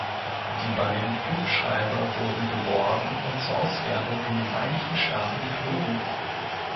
Die beiden Flugschreiber wurden geborgen und zur Auswertung in die Vereinigten Staaten geflogen.